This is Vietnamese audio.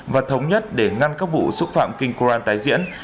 và thống nhất để ngăn các vụ xúc phạm kinh kran tái diễn